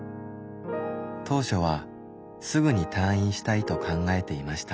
当初はすぐに退院したいと考えていました。